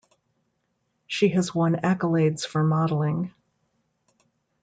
She has won accolades for modelling.